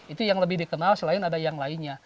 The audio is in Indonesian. itu yang lebih dikenal selain ada yang lainnya